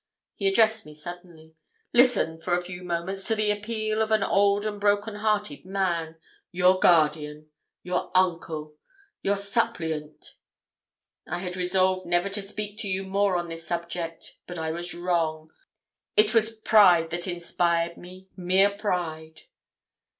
He addressed me suddenly 'Listen, for a few moments, to the appeal of an old and broken hearted man your guardian your uncle your suppliant. I had resolved never to speak to you more on this subject. But I was wrong. It was pride that inspired me mere pride.'